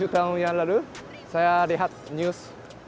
tujuh tahun yang lalu saya lihat news